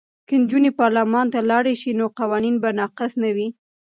که نجونې پارلمان ته لاړې شي نو قوانین به ناقص نه وي.